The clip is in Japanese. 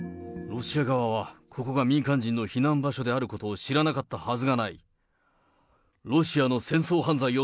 ロシア側は、ここが民間人の避難場所であることを知らなかったはずがない。